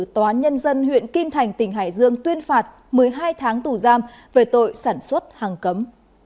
tòa án nhân dân huyện kim thành tỉnh hải dương tuyên phạt một mươi hai tháng tù giam về tội sản xuất hàng cấm